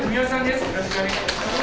よろしくお願いします。